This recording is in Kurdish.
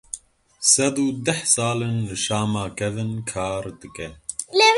Sed û deh sal in li Şama kevin kar dike.